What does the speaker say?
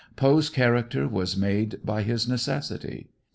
Poe's character was made by his necessity.